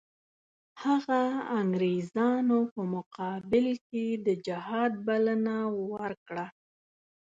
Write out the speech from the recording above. هغه انګریزانو په مقابل کې د جهاد بلنه ورکړه.